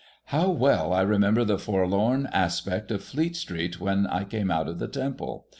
How well I remember the forlorn aspect of Fleet street when I came out of the Temple